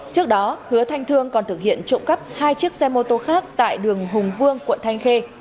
trước đó hứa thanh thương còn thực hiện trộm cắp hai chiếc xe mô tô khác tại đường hùng vương quận thanh khê